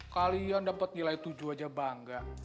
kalian dapat nilai tujuh aja bangga